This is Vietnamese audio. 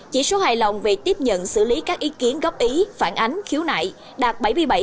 chỉ số hài lòng về tiếp nhận xử lý các ý kiến góp ý phản ánh khiếu nại đạt bảy mươi bảy sáu mươi ba